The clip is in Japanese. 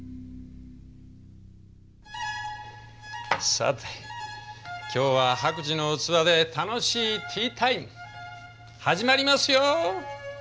さて今日は白磁の器で楽しいティータイム始まりますよ。